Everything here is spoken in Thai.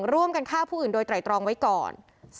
ร่วมกันฆ่าผู้อื่นโดยไตรตรองไว้ก่อน